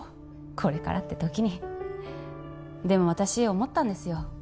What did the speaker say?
これからって時にでも私思ったんですよ